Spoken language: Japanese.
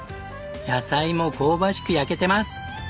野菜も香ばしく焼けてます。